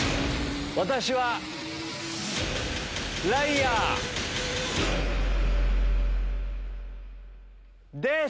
私はライアー。です。